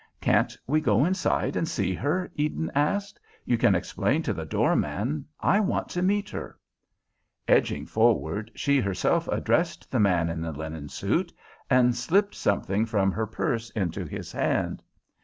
"Can't we go inside and see her?" Eden asked. "You can explain to the door man. I want to meet her." Edging forward, she herself addressed the man in the linen suit and slipped something from her purse into his hand.